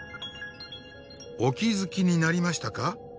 お気付きになりましたか？